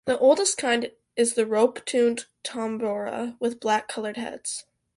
The oldest kind is the rope-tuned tambora with black-colored heads.